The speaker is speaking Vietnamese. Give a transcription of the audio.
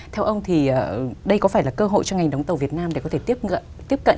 theo ông thì đây có phải là cơ hội cho ngành đóng tàu việt nam để có thể tiếp cận